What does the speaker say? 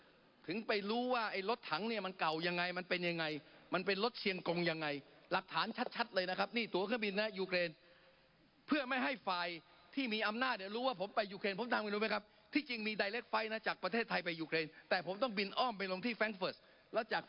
ผมถึงไปรู้ว่าไอ้รถถังเนี่ยมันเก่ายังไงมันเป็นยังไงมันเป็นรถเชียงกงยังไงหลักฐานชัดเลยนะครับนี่ตัวเครื่องบินนะยูเครนเพื่อไม่ให้ฝ่ายที่มีอำนาจเนี่ยรู้ว่าผมไปยูเครนผมทำไม่รู้ไหมครับที่จริงมีไดเล็กไฟต์นะจากประเทศไทยไปยูเครนแต่ผมต้องบินอ้อมไปลงที่แร้งเฟิร์สแล้วจาก